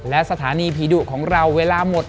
และสถานีผีดุของเราเวลาหมด